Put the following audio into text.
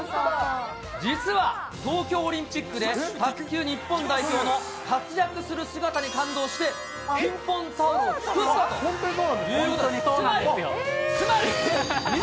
実は、東京オリンピックで、卓球日本代表の活躍する姿に感動して、ピンポンタオルを作ったということなんですよ。